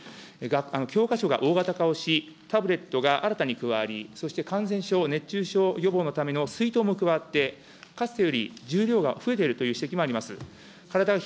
教科書が大型化をし、タブレットが新たに加わり、そして感染症、熱中症予防のための、水筒も加わって、かつてより重量が増えているという指摘もあります。